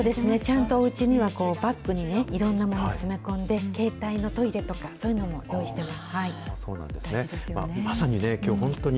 そうですね、ちゃんとおうちにはバッグにね、いろんなものを詰め込んで携帯のトイレとか、そういうのは用意しています。